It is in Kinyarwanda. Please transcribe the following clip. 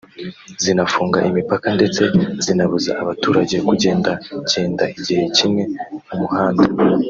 zinafunga imipaka ndetse zinabuza abaturage kugendagenda igihe kimwe mu muhanda